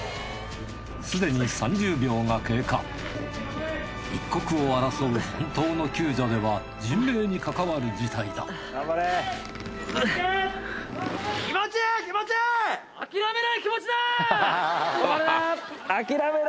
すでに一刻を争う本当の救助では人命にかかわる事態だ止まるな！